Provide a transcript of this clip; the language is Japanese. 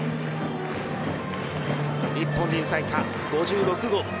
日本人最多、５６号。